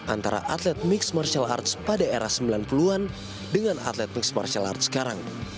antara atlet mixed martial arts pada era sembilan puluh an dengan atlet mixed martial arts sekarang